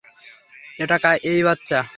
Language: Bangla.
এটা, এই বাচ্চা?